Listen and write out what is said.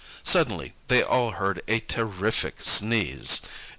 Suddenly they all heard a terrific sneeze!